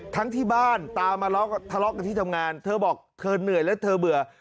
ทั้งที่บ้านตามมาทะเลาะกันที่ทำงานเธอบอกเธอเหนื่อยและเธอเบื่อ